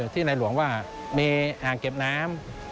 ที่ในหลวงว่ามีอ่างเก็บน้ำ